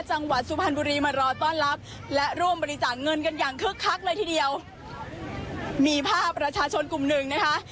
จังหวัดสุพรรณบุรีมารอต้อนรับและร่วมบริจาคเงินกันอย่างคึกคักเลยทีเดียวมีภาพประชาชนกลุ่มหนึ่งนะคะ